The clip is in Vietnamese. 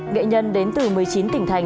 nghệ nhân đến từ một mươi chín tỉnh thành